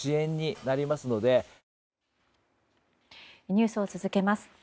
ニュースを続けます。